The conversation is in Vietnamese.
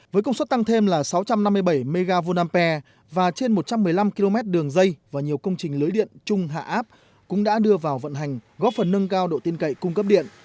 với công suất tăng thêm là sáu trăm năm mươi bảy mva và trên một trăm một mươi năm km đường dây và nhiều công trình lưới điện chung hạ áp cũng đã đưa vào vận hành góp phần nâng cao độ tiên cậy cung cấp điện